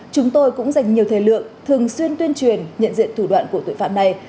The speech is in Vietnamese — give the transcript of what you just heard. chúng tôi cũng dành nhiều thời lượng thường xuyên tuyên truyền nhận diện thủ đoạn của tội phạm này